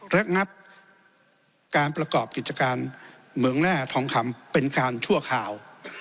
ระงับการประกอบกิจการเหมืองแร่ทองคำเป็นการชั่วคราว